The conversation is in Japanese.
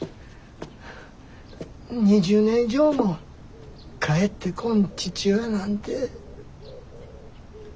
２０年以上も帰ってこん父親なんて。